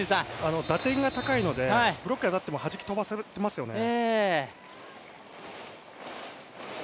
打点が高いので、ブロックに当たってもはじき飛ばせてますよね。